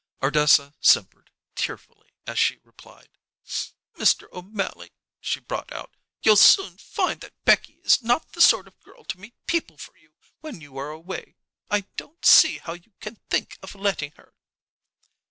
Ardessa simpered tearfully as she replied. "Mr. O'Mally," she brought out, "you'll soon find that Becky is not the sort of girl to meet people for you when you are away. I don't see how you can think of letting her."